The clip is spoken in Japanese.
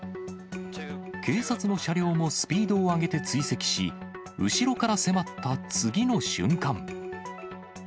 警察の車両もスピードを上げて追跡し、後ろから迫った次の瞬間。